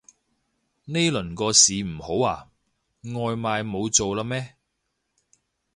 呢輪個市唔好啊？外賣冇做喇咩